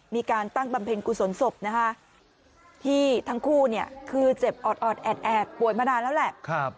มีการตั้งบำเพ็ญกุศลศพนะคะที่ทั้งคู่เนี่ยคือเจ็บออดแอดป่วยมานานแล้วแหละ